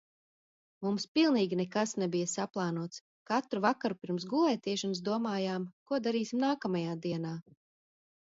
Mums pilnīgi nekas nebija saplānots. Katru vakaru pirms gulētiešanas domājām, ko darīsim nākamajā dienā.